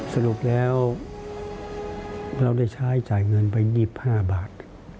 สรุปแล้วเราได้ใช้จ่ายเงินไป๒๕บาท